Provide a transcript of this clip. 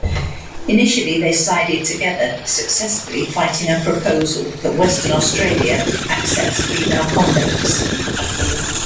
Initially they sided together, successfully fighting a proposal that Western Australia accept female convicts.